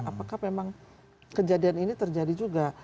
apakah memang kejadian ini terjadi juga